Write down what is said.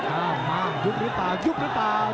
อ้าวมายุบหรือเปล่ายุบหรือเปล่า